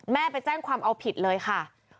ไปแจ้งความเอาผิดเลยค่ะ